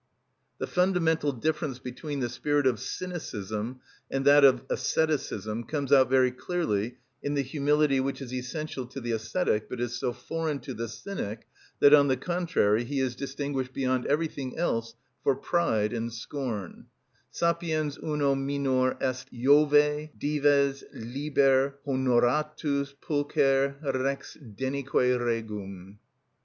_) Diog. Laert., vi. 9. The fundamental difference between the spirit of cynicism and that of asceticism comes out very clearly in the humility which is essential to the ascetic, but is so foreign to the Cynic that, on the contrary, he is distinguished beyond everything else for pride and scorn:— "Sapiens uno minor est Jove, dives, _Liber, honoratus, pulcher, rex denique regum.